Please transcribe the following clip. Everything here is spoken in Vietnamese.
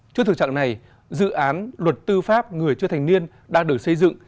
trước thực trạng này dự án luật tư pháp người chưa thành niên đang được xây dựng